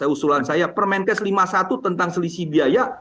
usulan saya permenkes lima puluh satu tentang selisih biaya